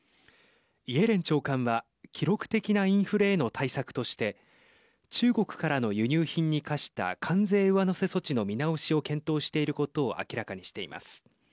イエレン長官は記録的なインフレへの対策として中国からの輸入品に課した関税上乗せ措置の見直しを検討していることを明らかにしています。